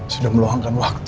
sudah meluangkan waktu